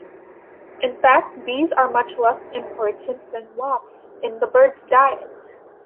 In fact, bees are much less important than wasps in the birds' diet.